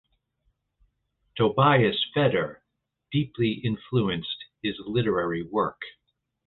Tobias Feder deeply influenced his literary work.